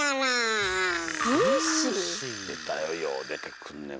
出たよよう出てくんねん